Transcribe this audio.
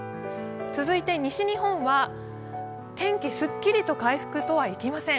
続いて西日本は、天気、すっきりと回復とはいきません。